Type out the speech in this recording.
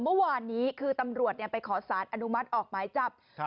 เมื่อวานนี้คือตำรวจไปขอสารอนุมัติออกหมายจับ